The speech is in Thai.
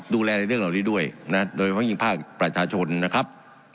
ดูแลในเรื่องเหล่านี้ด้วยนะโดยเฉพาะยิ่งภาคประชาชนนะครับ